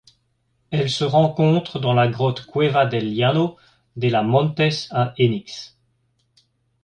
Elle se rencontre dans la grotte Cueva del Llano de La Montes à Enix.